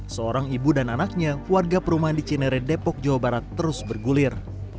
seorang ibu dan anaknya warga perumahan di cinere depok jawa barat terus bergulir